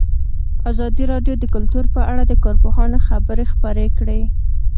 ازادي راډیو د کلتور په اړه د کارپوهانو خبرې خپرې کړي.